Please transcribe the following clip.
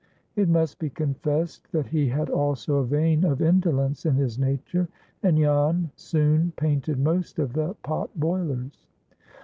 It must be confessed that he had also a vein of indolence in his nature, and Jan soon painted most of the pot boilers.